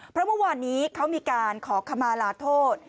เพราะเมื่อวานนี้เขามีการขอขมาลาโทษ